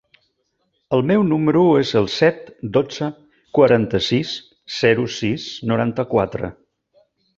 El meu número es el set, dotze, quaranta-sis, zero, sis, noranta-quatre.